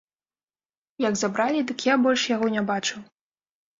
Як забралі, дык я больш яго не бачыў.